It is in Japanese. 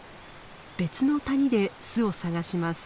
別の谷で巣を探します。